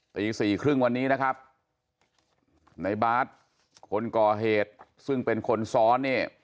ตีสี่ครึ่งวันนี้นะครับในบาร์ดคนก่อเหตุซึ่งเป็นคนซ้อนเนี่ย